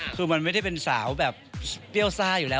คือมันไม่ได้เป็นสาวแบบเปรี้ยวซ่าอยู่แล้ว